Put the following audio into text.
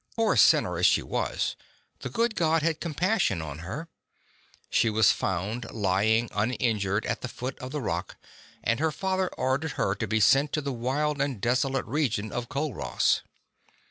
Poor sinner as she was, the good God had compassion on her. She was found lying unin jured at the foot of the rock, and her father ordered her to be sent to the wild and desolate region of Culross.